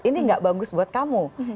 ini gak bagus buat kamu